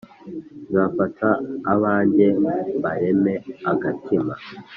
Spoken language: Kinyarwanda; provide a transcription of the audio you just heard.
Nzafata abanjye mbareme agatima